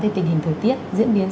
thì tình hình thời tiết diễn biến